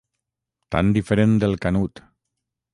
Tan diferent del Canut.